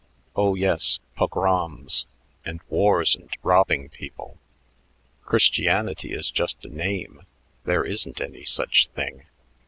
Oh, yes, pogroms and wars and robbing people. Christianity is just a name; there isn't any such thing.